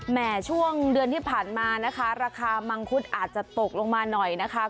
ช่วงเดือนที่ผ่านมานะคะราคามังคุดอาจจะตกลงมาหน่อยนะคะ